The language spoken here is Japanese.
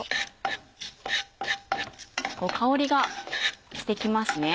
香りがして来ますね。